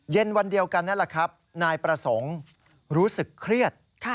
เย็นวันเดียวกันนั่นแหละครับนายประสงค์รู้สึกเครียด